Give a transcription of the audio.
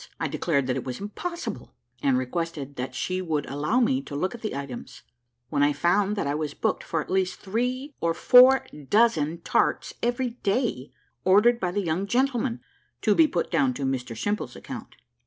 I declared that it was impossible, and requested that she would allow me to look at the items, when I found that I was booked for at least three or four dozen tarts every day, ordered by the young gentlemen "to be put down to Mr Simple's account."